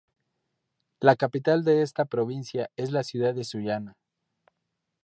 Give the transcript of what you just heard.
La Capital de esta provincia es la ciudad de Sullana.